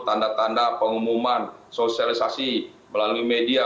tanda tanda pengumuman sosialisasi melalui media